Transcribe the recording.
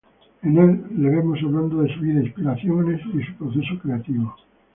En el le vemos hablando de su vida, inspiraciones y su proceso creativo.